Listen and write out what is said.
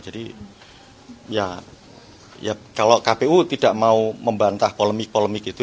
jadi ya kalau kpu tidak mau membantah polemik polemiknya